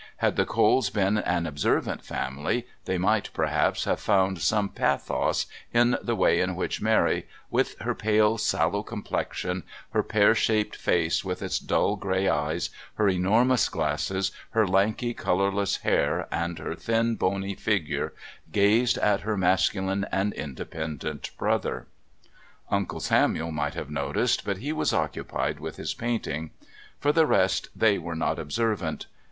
Had the Coles been an observant family they might, perhaps, have found some pathos in the way in which Mary, with her pale sallow complexion, her pear shaped face with its dull, grey eyes, her enormous glasses, her lanky colourless hair, and her thin, bony figure, gazed at her masculine and independent brother. Uncle Samuel might have noticed, but he was occupied with his painting. For the rest they were not observant.